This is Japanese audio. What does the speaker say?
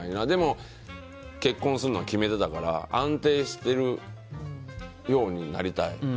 でも、結婚するのは決まってたから安定してるようになりたい。